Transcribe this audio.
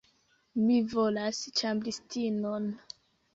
Mi volas ĉambristinon.